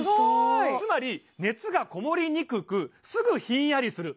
つまり熱がこもりにくくすぐひんやりする